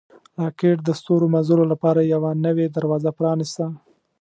راکټ د ستورمزلو لپاره یوه نوې دروازه پرانیسته